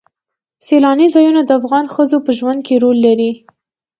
سیلاني ځایونه د افغان ښځو په ژوند کې رول لري.